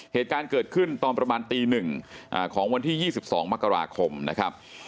เหตุการณ์เกิดขึ้นตอนประมาณตี๑ของวันที่๒๒มกราคมนะครับ